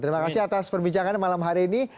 terima kasih atas perbincangan malam hari ini